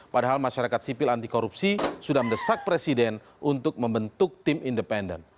padahal masyarakat sipil anti korupsi sudah mendesak presiden untuk membentuk tim independen